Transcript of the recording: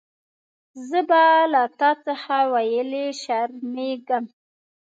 زه به له تا څخه ویلي شرمېږم.